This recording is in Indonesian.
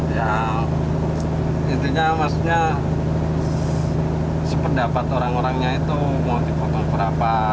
ya intinya maksudnya sependapat orang orangnya itu mau dipotong berapa